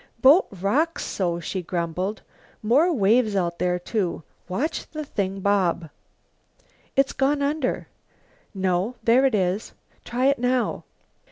"Boat rocks so," she grumbled. "More waves out there, too. Watch the thing bob!" "It's gone under!" "No, there it is!" "Try it now."